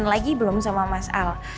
dan lagi belum sama mas al